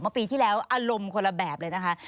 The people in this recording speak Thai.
ปีที่แล้วอารมณ์คนละแบบเลยนะคะ